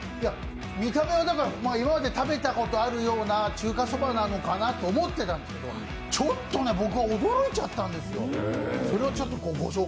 見た目は今まで食べたことがあるような中華そばなのかなと思ってたんですけど、ちょっとね、僕、驚いちゃったんですよ。